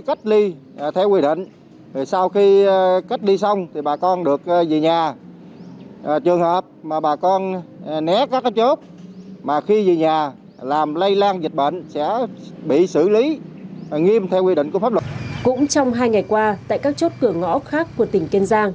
cũng trong hai ngày qua tại các chốt cửa ngõ khác của tỉnh kiên giang